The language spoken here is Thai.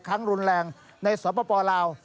ครั้งรุนแรงในสปลาว